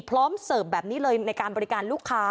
เสิร์ฟแบบนี้เลยในการบริการลูกค้า